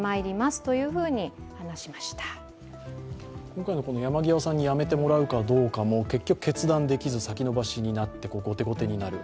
今回の山際さんに辞めてもらうかどうかも結局、決断できず先延ばしになって後手後手になる。